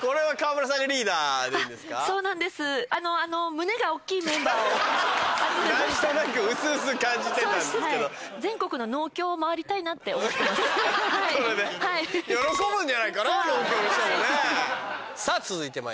はい。